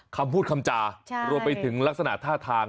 คำพูดคำจารวมไปถึงลักษณะท่าทาง